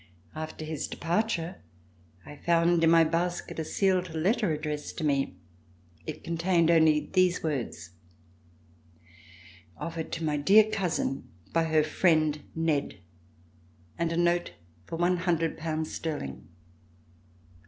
After his departure I found in my basket a sealed letter ad dressed to me. It contained only these words: "Offered to my dear cousin by her friend, Ned," and a note for one hundred pounds sterling.